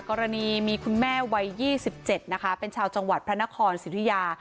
กรณีมีคุณแม่วัย๒๗นะคะเป็นชาวจังหวัดพระนครศิริยา